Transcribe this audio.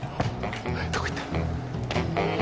どこ行った？